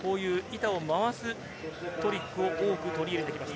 板を回すトリックを多く取り入れてきました。